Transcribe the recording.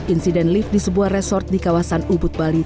insiden lift di sebuah resort di kawasan ubud bali